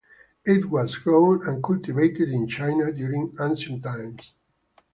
It was grown and cultivated in China during ancient times.